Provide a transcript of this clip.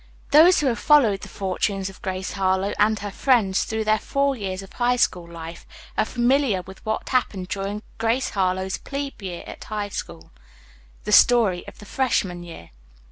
Those who have followed the fortunes of Grace Harlowe and her friends through their four years of high school life are familiar with what happened during "Grace Harlowe's Plebe Year at High School," the story of her freshman year.